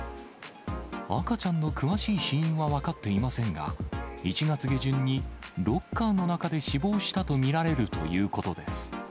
赤ちゃんの詳しい死因は分かっていませんが、１月下旬に、ロッカーの中で死亡したと見られるということです。